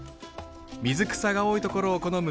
水草が多いところを好む